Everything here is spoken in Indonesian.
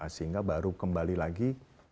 sehingga baru kembali lagi